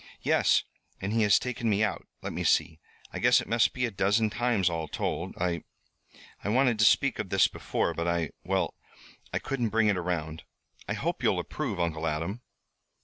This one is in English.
"Yes, and he has taken me out, let me see, I guess it must be a dozen times all told. I I wanted to speak of this before, but I well, I couldn't bring it around. I hope you'll approve, Uncle Adam."